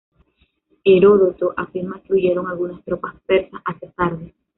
Heródoto afirma que huyeron algunas tropas persas hacia Sardes.